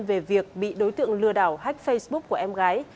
về việc bị đối tượng lừa đảo hách facebook của em gái